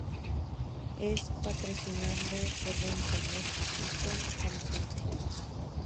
Es patrocinado por la Internet Systems Consortium.